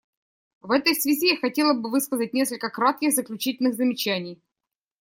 В этой связи я хотела бы высказать несколько кратких заключительных замечаний.